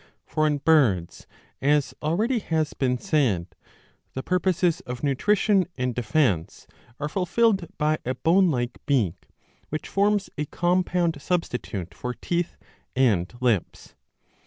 For in birds, as already has been said, the purposes of nutrition and defence are fulfilled by a bone like beak, which forms a compound substitute for teeth and lips.